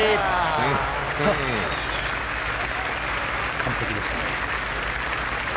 完璧でしたね。